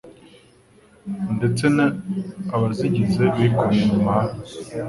ndetse n abazigize bikubiye mu mahame